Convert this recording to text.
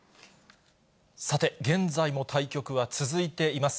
さて、現在も対局は続いています。